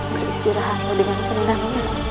beristirahatlah dengan tenang